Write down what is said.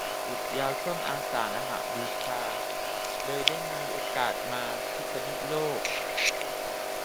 หยุดยาวช่วง อาสาฬบูชาเข้าพรรษา เลยได้มีโอกาสมาพิษณุโลก